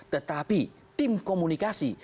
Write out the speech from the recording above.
tetapi tim komunikasi